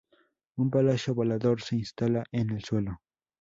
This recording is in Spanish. Un palacio volador se instala en el suelo.